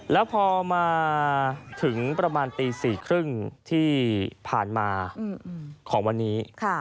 แล้วพอมาถึงประมาณตี๔๓๐ที่ผ่านมาของวันนี้